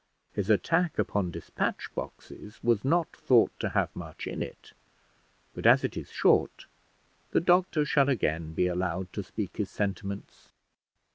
His attack upon despatch boxes was not thought to have much in it; but as it is short, the doctor shall again be allowed to speak his sentiments.